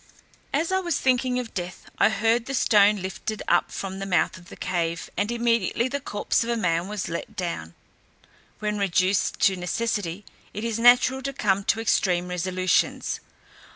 As I was thinking of death, I heard the stone lifted up from the mouth of the cave, and immediately the corpse of a man was let down When reduced to necessity, it is natural to come to extreme resolutions.